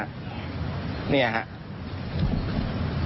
มันต้องมีอะไรมากกว่านี้นี่